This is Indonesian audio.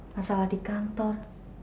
masalah di kantor